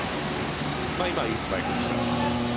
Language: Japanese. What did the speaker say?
今、いいスパイクでしたね。